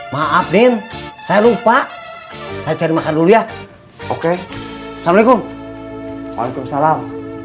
maafin saya lupa saya cari makan dulu ya oke assalamualaikum waalaikumsalam